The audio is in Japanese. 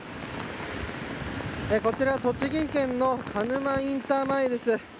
こちら栃木県の鹿沼インター前です。